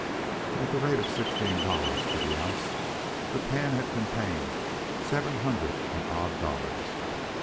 At the rate of sixteen dollars to the ounce, the pan had contained seven hundred and odd dollars.